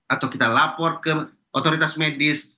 atau kita lapor ke otoritas medis